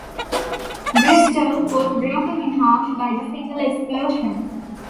"Bristol" was broken in half by the single explosion.